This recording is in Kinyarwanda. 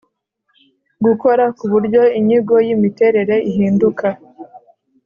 Gukora ku buryo inyigo y imiterere ihinduka.